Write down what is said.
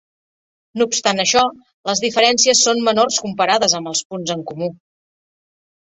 No obstant això, les diferències són menors comparades amb els punts en comú.